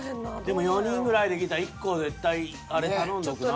でも４人ぐらいで来たら１個絶対あれ頼んどくなぁ。